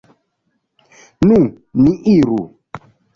Nu, ni iru.